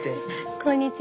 こんにちは。